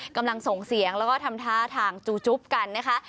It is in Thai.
กำลังส่งเสียงแล้วก็ทำท่าทางจูจุ๊บกันนะคะ